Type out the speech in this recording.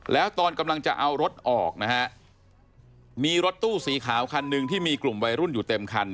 แล้วตอนกำลังจะเอารถออกนะฮะมีรถตู้สีขาวคันหนึ่งที่มีกลุ่มวัยรุ่นอยู่เต็มคัน